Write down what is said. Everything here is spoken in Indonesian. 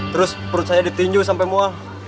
terus perut saya ditinju sampai muah